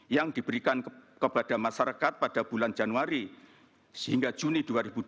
yang diberikan kepada masyarakat pada bulan januari sehingga juni dua ribu dua puluh